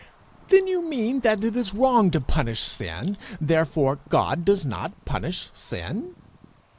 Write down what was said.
'Then you mean that it is wrong to punish sin, therefore God does not punish sin?'